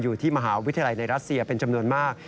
อยู่ที่มหาวิทยาลัยในรัสเซียเป็นจำนวนมาก